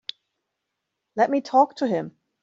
Let me talk to him.